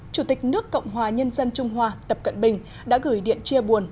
chủ tịch nước cộng hòa nhân dân trung hoa tập cận bình đã gửi điện chia buồn